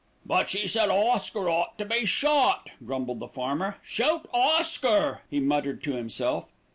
"But she said Oscar ought to be shot," grumbled the farmer. "Shoot Oscar!" he muttered to himself.